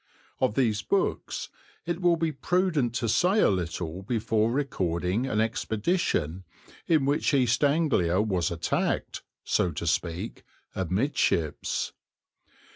Of these books it will be prudent to say a little before recording an expedition in which East Anglia was attacked, so to speak, amidships.